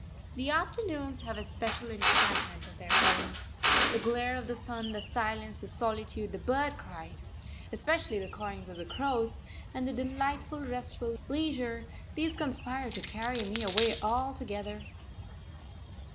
The afternoons have a special enchantment of their own. The glare of the sun, the silence, the solitude, the bird cries, especially the cawings of crows, and the delightful, restful leisure these conspire to carry me away altogether.